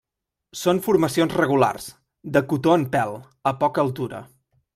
Són formacions regulars, de cotó en pèl, a poca altura.